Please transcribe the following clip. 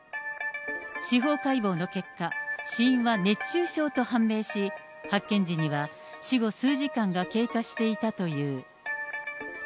司法解剖の結果、死因は熱中症と判明し、発見時には死後数時間が経過していたという。